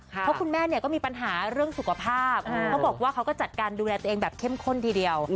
เพราะคุณแม่เนี่ยก็มีปัญหาเรื่องสุขภาพเขาบอกว่าเขาก็จัดการดูแลตัวเองแบบเข้มข้นทีเดียว